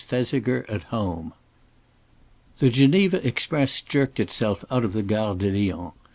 THESIGER IN HER HOME The Geneva express jerked itself out of the Gare de Lyons.